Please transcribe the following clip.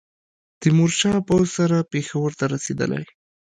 تېمورشاه پوځ سره پېښور ته رسېدلی.